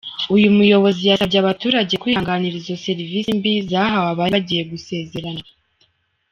Uyu muyobozi yasabye abaturage kwihanganira izo serivisi mbi zahawe abari bagiye gusezerana.